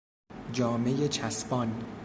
جامهی چسبان